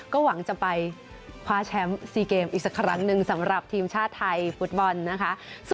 ก็หวังจะไปคว้าแชมป์๔เกมอีกสักครั้งหนึ่งสำหรับทีมชาติไทยฟุตบอลนะคะ